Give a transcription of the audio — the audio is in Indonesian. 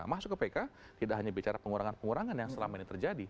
masuk ke pk tidak hanya bicara pengurangan pengurangan yang selama ini terjadi